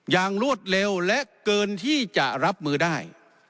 รวดเร็วและเกินที่จะรับมือได้